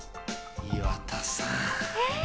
岩田さん。